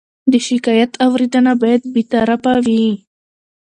د شکایت اورېدنه باید بېطرفه وي.